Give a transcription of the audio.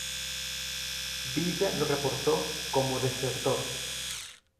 Villa lo reportó como desertor.